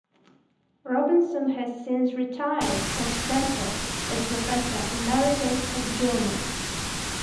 Robinson has since retired from Stanford as Professor Emeritus of German.